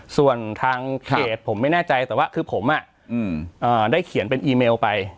ส่วนทางเพจผมไม่แน่ใจแต่ว่าคือผมได้เขียนเป็นอีเมลไป